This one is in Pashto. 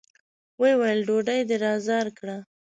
ويې ويل: ډوډۍ دې را زار کړه!